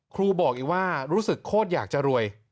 ครูบอกอีกว่ารู้สึกโคตรอยากจะรวย